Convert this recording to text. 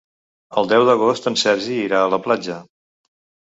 El deu d'agost en Sergi irà a la platja.